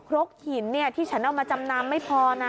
รกหินที่ฉันเอามาจำนำไม่พอนะ